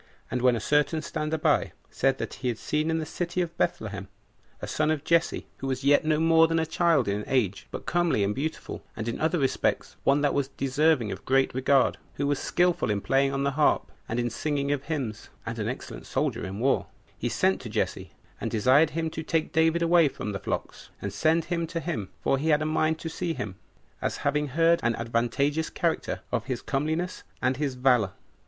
And when a certain stander by said that he had seen in the city of Bethlehem a son of Jesse, who was yet no more than a child in age, but comely and beautiful, and in other respects one that was deserving of great regard, who was skillful in playing on the harp, and in singing of hymns, [and an excellent soldier in war,] he sent to Jesse, and desired him to take David away from the flocks, and send him to him, for he had a mind to see him, as having heard an advantageous character of his comeliness and his valor.